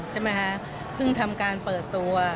ใช่ไหมคะเพิ่งทำการเปิดตัว